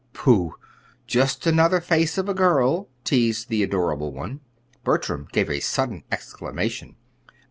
"Pooh! Just another face of a girl," teased the adorable one. Bertram gave a sudden exclamation.